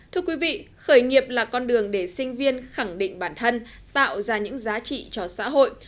thưa quý vị khởi nghiệp là con đường để sinh viên khẳng định bản thân tạo ra những giá trị cho xã hội